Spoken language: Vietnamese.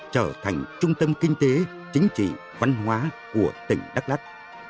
trở thành trung tâm kinh tế chính trị văn hóa của tỉnh đắk lắk